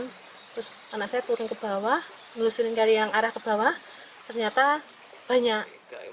terus anak saya turun ke bawah melusuri yang arah ke bawah ternyata banyak